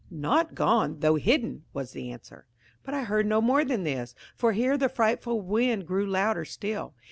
"Not gone, though hidden," was the answer. But I heard no more than this, for here the frightful wind grew louder still.